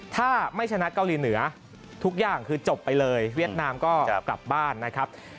ถ้าไม่ชนะเกาหลีเหนือทุกอย่างคือจบไปเลยเวียดนามก็กลับบ้านนะครับ